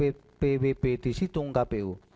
namun koreksi tersebut tidak terjadi